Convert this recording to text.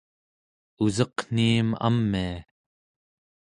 useqniim amia